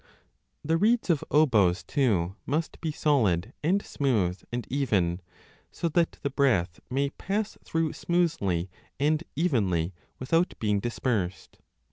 The reeds of oboes, too, must be solid and smooth and even, so that the breath may pass through smoothly and 2 o evenly, without being dispersed.